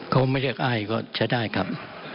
ผมไม่ควรเรียกอาหัยก็เฉยดายครับ